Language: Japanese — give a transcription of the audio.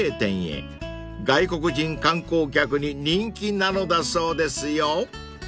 ［外国人観光客に人気なのだそうですよ］